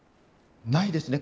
ないですね。